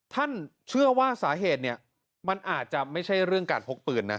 ท่านเชื่อว่าสาเหตุเนี่ยมันอาจจะไม่ใช่เรื่องการพกปืนนะ